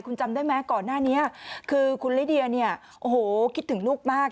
คุณจำได้ไหมก่อนหน้านี้คือคุณลิเดียเนี่ยโอ้โหคิดถึงลูกมาก